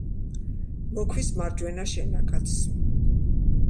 მოქვის მარჯვენა შენაკადს.